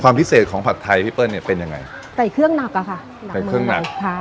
พิเศษของผัดไทยพี่เปิ้ลเนี่ยเป็นยังไงใส่เครื่องหนักอ่ะค่ะหนักใส่เครื่องหนักค่ะ